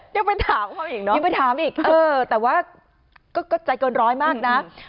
ยังไม่ถามเลยเนอะแต่ว่าก็ใจเกินร้อยมากน่ะ